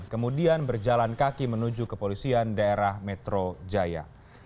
kemudian berjalan kaki menuju ke polisian daerah metro jaya